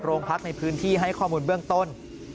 โรงพักในพื้นที่ให้ข้อมูลเบื้องต้น